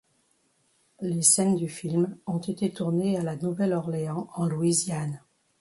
Les scènes du film ont été tournées à La Nouvelle-Orléans en Louisiane.